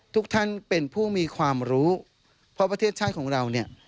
ทุกท่านเป็นผู้มีความรู้เพราะประเทศชาติของเราเนี่ย